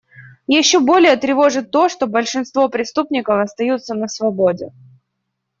Еще более тревожит то, что большинство преступников остаются на свободе.